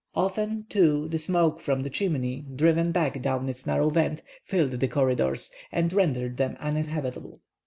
Often, too, the smoke from the chimney, driven back down its narrow vent, filled the corridors, and rendered them uninhabitable.